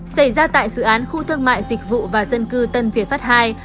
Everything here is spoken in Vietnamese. xảy ra tại dự án khu thương mại dịch vụ và dân cư tân việt phát hai